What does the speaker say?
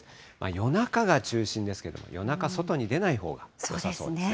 夜中が中心ですけれども、夜中、外に出ないほうがよさそうですね。